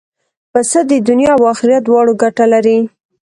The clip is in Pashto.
پسه د دنیا او آخرت دواړو ګټه لري.